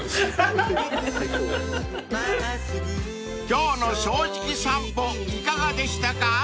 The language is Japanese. ［今日の『正直さんぽ』いかがでしたか？］